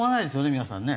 皆さんね。